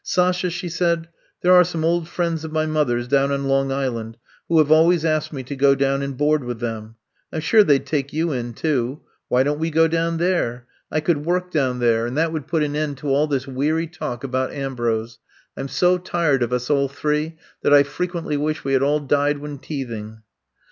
*^ Sasha,'' she said, there are some old friends of my mother's down on Long Is land who have always asked me to go down and board with them. I 'm sure they 'd take you in, too. Why don't we go down there f I could work down there, and that I'VE COME TO STAY 167 would put an end to all this weary talk about Ambrose. I 'm so tired of us all three that I frequently wish we had all died when teething.